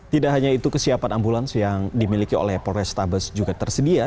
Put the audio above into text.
tidak hanya itu kesiapan ambulans yang dimiliki oleh polrestabes juga tersedia